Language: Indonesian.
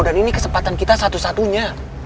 dan ini kesempatan kita satu satunya